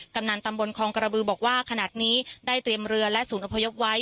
กำนันตำบลคองกระบือบอกว่าขนาดนี้ได้เตรียมเรือและศูนย์อพยพไว้